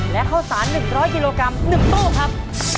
และข้าวสาร๑๐๐กิโลกรัม๑ตู้ครับ